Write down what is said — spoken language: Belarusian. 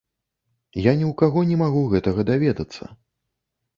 Я ні ў каго не магу гэтага даведацца.